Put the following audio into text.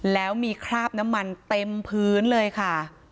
แล้วมีคราบน้ำมันเต็มพื้นเลยค่ะ